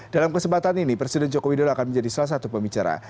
dalam kesempatan ini presiden joko widodo akan menjadi salah satu pembicara